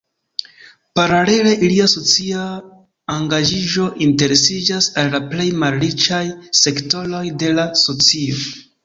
Paralele ilia socia engaĝiĝo interesiĝas al la plej malriĉaj sektoroj de la socio.